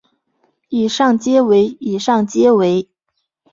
以上皆为以上皆为